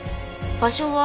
場所は。